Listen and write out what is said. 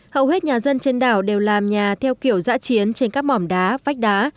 hầu hết nhà dân trên đảo đều làm nhà theo kiểu giã chiến trên các mỏm đá vách đá